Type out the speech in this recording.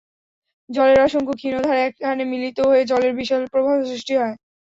জলের অসংখ্য ক্ষীণধারা একখানে মিলিত হয়ে জলের বিশাল প্রবাহ সৃষ্টি হয়।